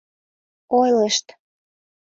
Ойлышт...